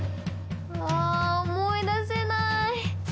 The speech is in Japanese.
あ思い出せない！